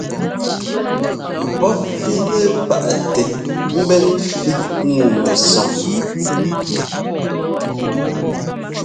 Pɔ́p fínɛ́ paʼtɛ mbɛ́n ɛ́fí ŋu mɛsɔng.